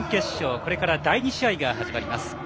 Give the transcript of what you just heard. これから第２試合が始まります。